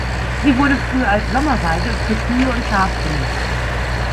Sie wurde früher als Sommerweide für Kühe und Schafe genutzt.